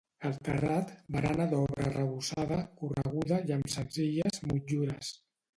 Al terrat, barana d'obra arrebossada, correguda i amb senzilles motllures.